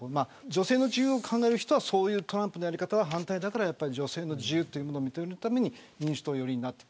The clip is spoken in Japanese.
女性の自由を考える人はトランプのやり方は反対だから女性の自由を認めるために民主党寄りになる。